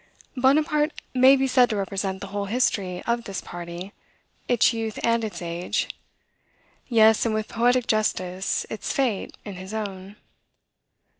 Bonaparte may be said to represent the whole history of this party, its youth and its age; yes, and with poetic justice, its fate, in his own.